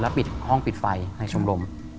แล้วปิดห้องปิดไฟในชมรม